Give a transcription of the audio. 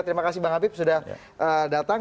terima kasih bang habib sudah datang